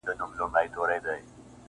عبث دي راته له زلفو نه دام راوړ-